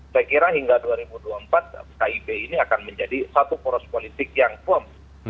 saya kira hingga dua ribu dua puluh empat kib ini akan menjadi satu poros politik yang firm